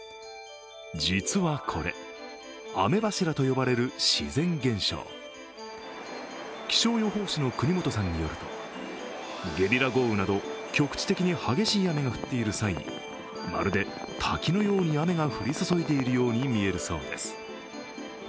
実はこれ、雨柱と呼ばれる自然現象気象予報士の國本さんによるとゲリラ豪雨など局地的に激しい雨が降っている際にまるで滝のように雨が降り注いでいるように見えるそうです。